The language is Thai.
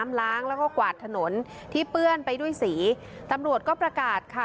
ล้างแล้วก็กวาดถนนที่เปื้อนไปด้วยสีตำรวจก็ประกาศค่ะ